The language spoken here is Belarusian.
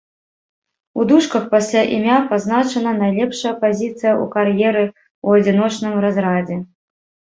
У дужках пасля імя пазначана найлепшая пазіцыя ў кар'еры ў адзіночным разрадзе.